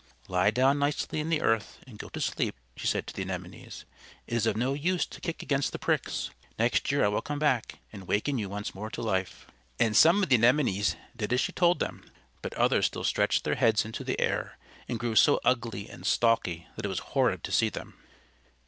"Lie down nicely in the earth and go to sleep," she said to the Anemones, "It is of no use to kick against the pricks. Next year I will come back and waken you once more to life." And some of the Anemones did as she told them. But others still stretched their heads into the air, and grew so ugly and stalky that it was horrid to see them.